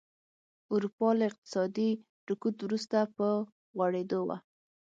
اروپا له اقتصادي رکود وروسته په غوړېدو وه.